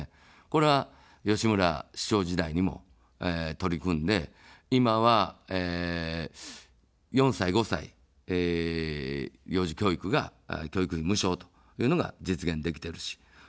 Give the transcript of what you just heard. これは、吉村市長時代にも取り組んで、今は、４歳、５歳、幼児教育が教育費無償というのが実現できてるし。